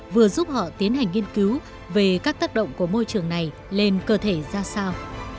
vừa giúp họ tiến hành nghiên cứu về các tác động của môi trường này lên cơ thể ra sao